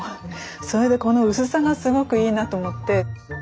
それでこの薄さがすごくいいなと思って。